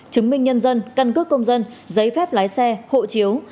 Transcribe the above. chứng minh nhân dân căn cước công dân giấy phép lái xe hộ chiếu